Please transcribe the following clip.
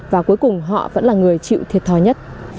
và cuối cùng họ vẫn là người chịu thiệt thòi nhất